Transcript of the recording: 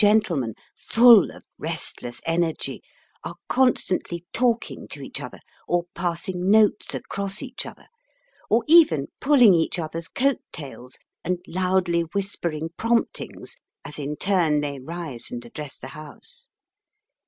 gentlemen, full of restless energy, are constantly talking to each other, or passing notes across each other, or even pulling each other's coat tails and loudly whispering promptings as in turn they rise and address the House.